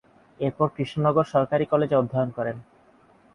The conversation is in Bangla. এরপর কৃষ্ণনগর সরকারি কলেজে অধ্যয়ন করেন।